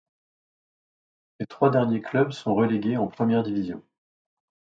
Les trois derniers clubs sont relégués en première division.